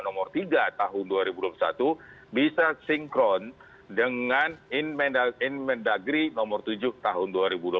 nomor tiga tahun dua ribu dua puluh satu bisa sinkron dengan inmen dagri nomor tujuh tahun dua ribu dua puluh satu